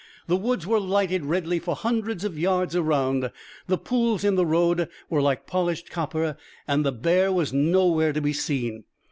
The woods were lighted redly for hundreds of yards around, the pools in the road were like polished copper, and the bear was nowhere to be seen.